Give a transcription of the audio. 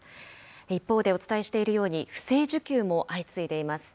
一方で、お伝えしているように、不正受給も相次いでいます。